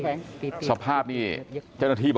กลุ่มตัวเชียงใหม่